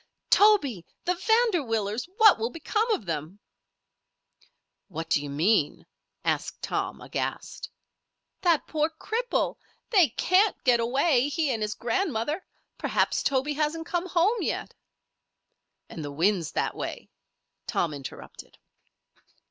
"Toby, the Vanderwillers! What will become of them?" "What d'you mean?" asked Tom, aghast. "That poor cripple! They can't get away, he and his grandmother. Perhaps Toby hasn't come home yet." "And the wind's that way," Tom interrupted.